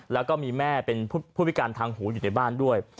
แล้วก็มีแม่เป็นผู้พิการทางหูอยู่ในบ้านด้วย